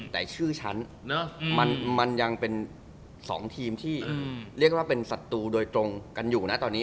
แต่ชื่อฉันมันยังเป็น๒ทีมที่เรียกว่าเป็นศัตรูโดยตรงกันอยู่นะตอนนี้